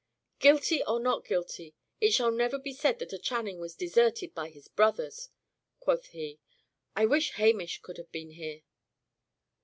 "Guilty, or not guilty, it shall never be said that a Channing was deserted by his brothers!" quoth he, "I wish Hamish could have been here."